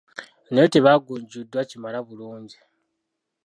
Naye tebagunjuddwa kimala bulungi.